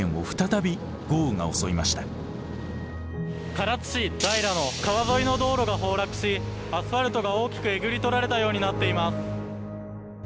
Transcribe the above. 「唐津市大良の川沿いの道路が崩落しアスファルトが大きくえぐり取られたようになっています」。